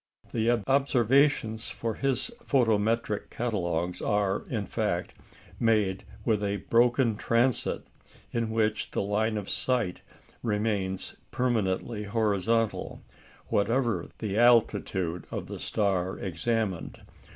The observations for his photometric catalogues are, in fact, made with a "broken transit," in which the line of sight remains permanently horizontal, whatever the altitude of the star examined.